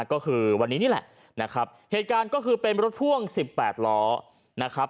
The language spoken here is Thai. ก็คือวันนี้นี่แหละนะครับเหตุการณ์ก็คือเป็นรถพ่วง๑๘ล้อนะครับ